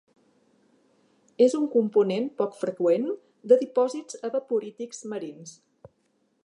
És un component poc freqüent de dipòsits evaporítics marins.